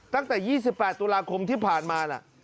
ตั้งแต่๒๘ตุลาคมที่ผ่านมาล่ะ